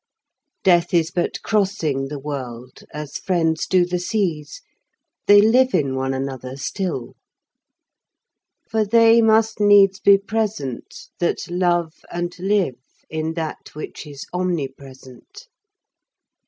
Death is but Crossing the World, as Friends do the Seas; They live in one another still.132. For they must needs be present, that love and live in that which is Omnipresent.133.